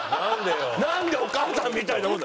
なんでお母さんみたいなもん。